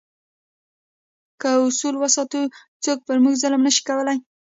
که اصول وساتو، څوک پر موږ ظلم نه شي کولای.